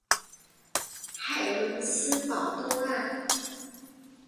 海伦斯堡东岸。